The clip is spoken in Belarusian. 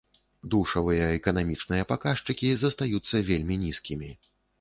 Душавыя эканамічныя паказчыкі застаюцца вельмі нізкімі.